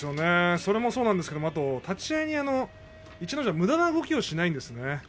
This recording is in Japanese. それもそうなんですけれど立ち合いで逸ノ城はむだな動きをしないんですね。